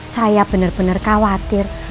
saya benar benar khawatir